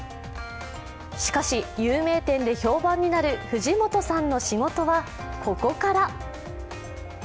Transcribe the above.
しかし有名店で評判になる藤本さんの仕事はここから。